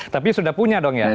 tapi sudah punya dong ya